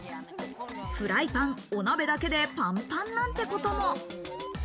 フライパン、お鍋だけでパンパンなんてことも。